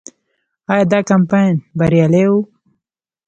آیا دا کمپاین بریالی و؟